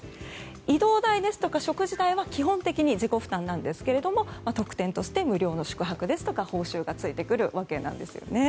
移動代ですとか食事代は基本的に自己負担なんですけど特典として無料の宿泊ですとか報酬がついてくるわけです。